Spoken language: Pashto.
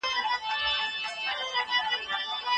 څوک په جبر څوک له لوږي قتلېدله